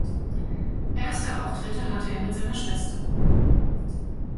Erste Auftritte hatte er mit seiner Schwester.